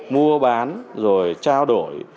mua bán rồi trao đổi